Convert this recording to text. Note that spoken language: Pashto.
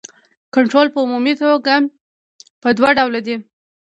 کنټرول په عمومي توګه په دوه ډوله دی.